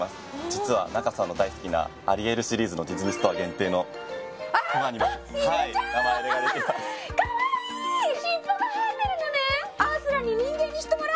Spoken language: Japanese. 実は仲さんの大好きなアリエルシリーズのディズニーストア限定のクマにも名前入れられますいいですね！